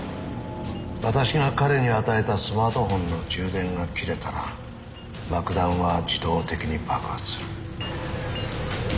私が彼に与えたスマートホンの充電が切れたら爆弾は自動的に爆発する。